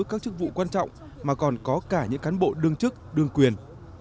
các chức vụ quan trọng mà còn có cả những cán bộ đương chức đương quyền